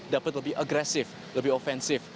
dapat lebih agresif lebih offensif